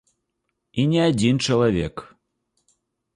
І не адзін чалавек.